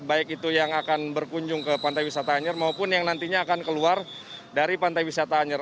baik itu yang akan berkunjung ke pantai wisata anyer maupun yang nantinya akan keluar dari pantai wisata anyer